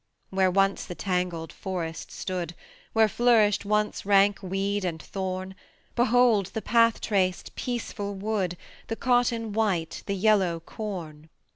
Where once the tangled forest stood, Where flourished once rank weed and thorn, Behold the path traced, peaceful wood, The cotton white, the yellow corn.